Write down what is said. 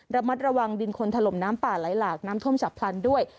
ระมัดระวังดินคนถล่มน้ำป่าไหลหลากน้ำท่วมฉับพลันด้วย